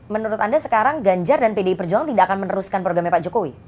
menurut anda sekarang ganjar dan pdi perjuangan tidak akan meneruskan programnya pak jokowi